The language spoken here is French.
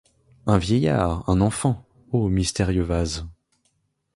Un vieillard ! un enfant ! ô mystérieux vases !